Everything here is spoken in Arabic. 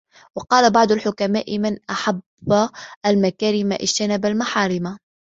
وَقَالَ بَعْضُ الْحُكَمَاءِ مَنْ أَحَبَّ الْمَكَارِمَ اجْتَنَبَ الْمَحَارِمَ